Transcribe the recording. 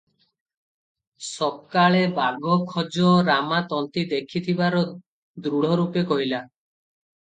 ସକାଳେ ବାଘ ଖୋଜ ରାମା ତନ୍ତୀ ଦେଖିଥିବାର ଦୃଢ଼ ରୂପେ କହିଲା ।